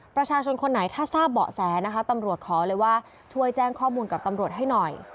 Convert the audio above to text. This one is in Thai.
ประชาชนคนไหนถ้าทราบเบาะแสนะคะตำรวจขอเลยว่าช่วยแจ้งข้อมูลกับตำรวจให้หน่อย